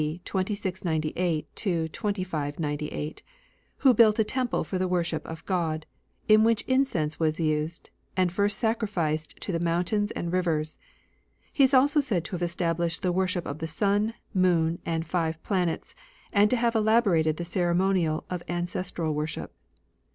2698 2598, who built a temple for the worship of God, in which incense was used, and first sacrificed to the Mountains and Rivers. He is also said to have established the worship of the sun, moon, and five planets, and to have elaborated the ceremonial of ancestral worship.